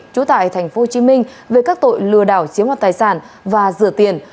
trú tại tp hcm về các tội lừa đảo chiếm hoạt tài sản và rửa tiền